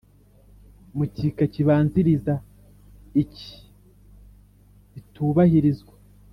Mu gika kibanziriza iki bitubahirizwa